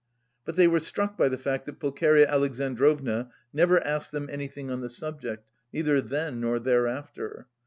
But they were struck by the fact that Pulcheria Alexandrovna never asked them anything on the subject, neither then nor thereafter.